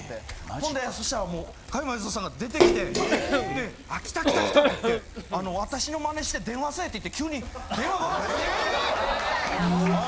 ほんでそしたらもう加山雄三さんが出てきて「あ来た来た来た」って言って「私のマネして電話せえ」って言って急に電話まわってきたんですよ。